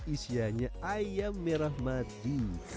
isianya ayam merah madu